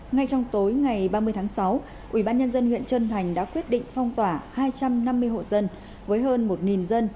ngay trong tối ngày ba mươi tháng sáu ubnd huyện trân thành đã quyết định phong tỏa hai trăm năm mươi hộ dân